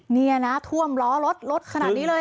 นี่นะท่วมล้อรถรถขนาดนี้เลย